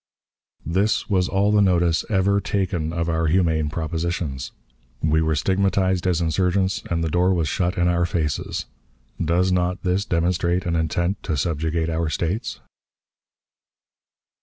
This was all the notice ever taken of our humane propositions. We were stigmatized as insurgents, and the door was shut in our faces. Does not this demonstrate an intent to subjugate our States?